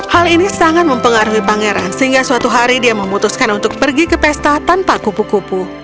hal ini sangat mempengaruhi pangeran sehingga suatu hari dia memutuskan untuk pergi ke pesta tanpa kupu kupu